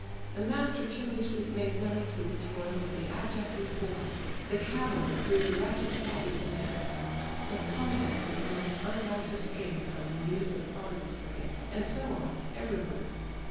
The master chimney sweep made money through the toil of the abjectly poor, the cab owner through the wretched cabbies and hacks, the pawnbroker wrung unrighteous gain from the need of the poverty stricken, and so on, everywhere.